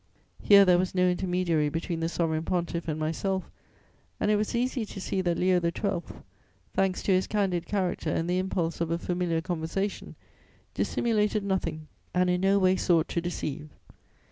Here there was no intermediary between the Sovereign Pontiff and myself and it was easy to see that Leo XII., thanks to his candid character and the impulse of a familiar conversation, dissimulated nothing and in no way sought to deceive.